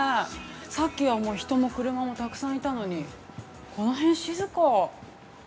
さっきは人も車もたくさんいたのに、この辺は静か。